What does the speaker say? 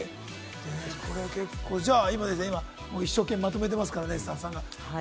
今、一生懸命まとめてますからね、スタッフさんが。